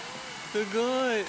すごい！